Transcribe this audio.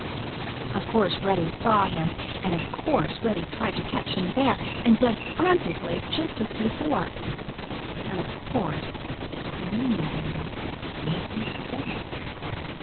Of course Reddy saw him, and of course Reddy tried to catch him there, and dug frantically just as before. And of course Danny Meadow Mouse wasn't there.